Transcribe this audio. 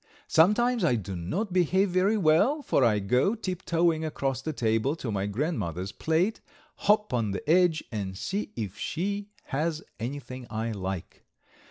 Sometimes I do not behave very well, for I go tiptoeing across the table to my grandmother's plate, hop on the edge, and see if she has anything I like.